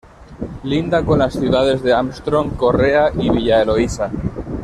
Linda con las ciudades de Armstrong, Correa y Villa Eloísa.